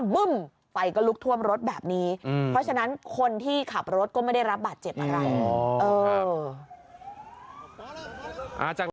บึ้มไฟก็ลุกท่วมรถแบบนี้เพราะฉะนั้นคนที่ขับรถก็ไม่ได้รับบาดเจ็บอะไร